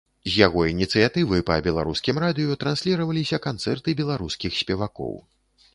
З яго ініцыятывы па беларускім радыё трансліраваліся канцэрты беларускіх спевакоў.